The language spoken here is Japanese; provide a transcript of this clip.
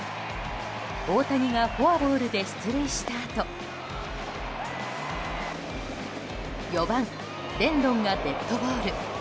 大谷がフォアボールで出塁したあと４番、レンドンがデッドボール。